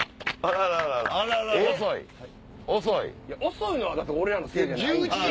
遅いのは俺らのせいじゃない。